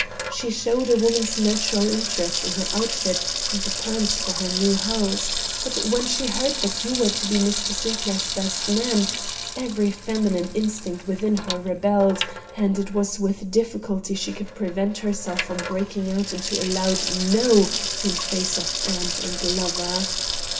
She showed a woman's natural interest in her outfit and the plans for her new house, but when she heard you were to be Mr. Sinclair's best man, every feminine instinct within her rebelled and it was with difficulty she could prevent herself from breaking out into a loud No! in face of aunt and lover.